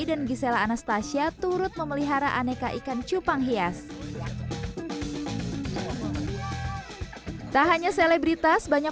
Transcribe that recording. dan gisela anastasia turut memelihara aneka ikan cupang hias tak hanya selebritas banyak